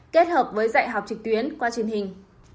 kết hợp với dạy học trực tuyến qua truyền hình